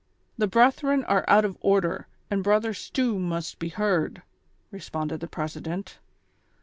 " The brethren are out of order, and Brother Stew must be heard," responded the president.